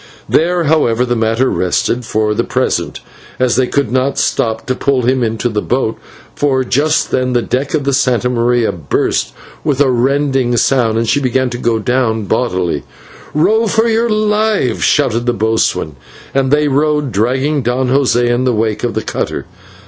There, however, the matter rested for the present, as they could not stop to pull him into the boat, for just then the deck of the /Santa Maria/ burst with a rending sound, and she began to go down bodily. "Row for your lives," shouted the boatswain, and they rowed, dragging Don José in the wake of the cutter.